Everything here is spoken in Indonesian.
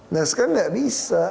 nah sekarang tidak bisa